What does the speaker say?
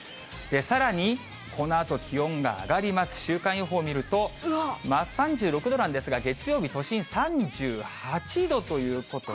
さらに、このあと気温が上がります、週間予報を見ると、３６度なんですが、月曜日、都心３８度ということで。